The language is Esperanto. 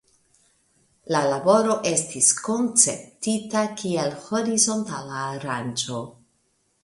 La laboro estis konceptita kiel horizontala aranĝo.